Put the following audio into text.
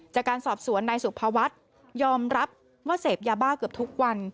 จากการสอบสวนนายสุภวัฒน์ยอมรับว่าเสพยาบ้าเกือบทุกวัน